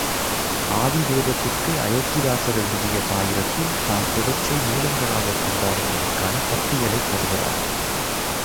ஆதி வேதத்திற்கு அயோத்திதாசர் எழுதிய பாயிரத்தில் தாம் எவற்றை மூலங்களாகக் கொண்டாரென்பதற்கான பட்டியலைத் தருகிறார்.